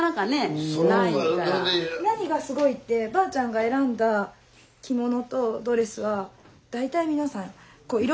何がすごいってばあちゃんが選んだ着物とドレスは大体皆さんいろいろ着てから「やっぱりこれ」って。